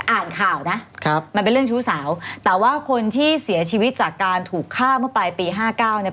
อ่านข่าวนะครับมันเป็นเรื่องชู้สาวแต่ว่าคนที่เสียชีวิตจากการถูกฆ่าเมื่อปลายปีห้าเก้าเนี่ย